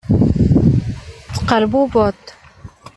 Tqerrbeḍ-d.